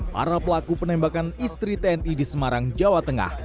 para pelaku penembakan istri tni di semarang jawa tengah